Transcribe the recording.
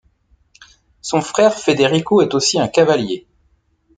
Son frère Federico est aussi un cavalier.